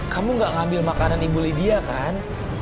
kamu gak ngambil makanan ibu lydia kan